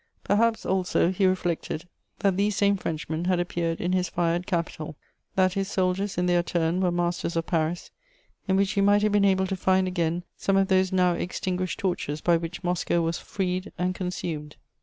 Perhaps, also, he reflected that these same Frenchmen had appeared in his fired capital; that his soldiers, in their turn, were masters of Paris, in which he might have been able to find again some of those now extinguished torches by which Moscow was freed and consumed.